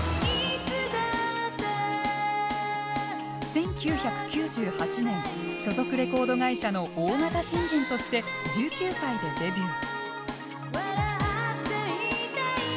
１９９８年所属レコード会社の大型新人として１９歳でデビュー。